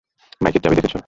বাইকের চাবি দেখেছো?